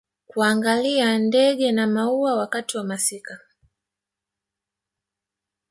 kuangalia ndege na maua wakati wa masika